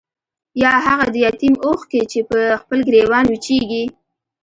يا هاغه د يتيم اوښکې چې پۀ خپل ګريوان وچيږي